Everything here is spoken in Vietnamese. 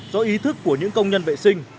do ý thức của những công nhân vệ sinh